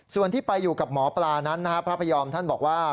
ส่วนที่ไปอยู่กับหมอปลานั้นนะครับพระพยอมท่านบอกว่า